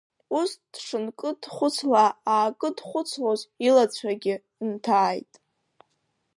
Ус дшынкыдхәыцла-аакыдхәыцлоз илацәагьы нҭааит.